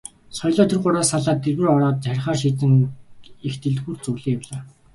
Соёлоо тэр гурваас салаад дэлгүүр ороод харихаар шийдэн их дэлгүүр зүглэн явлаа.